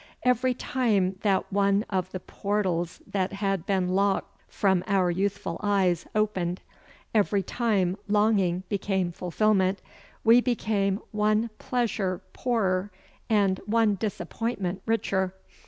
Every time that one of the portals that had been locked from our youthful eyes opened, every time longing became fulfilment, we became one pleasure poorer and one disappointment richer.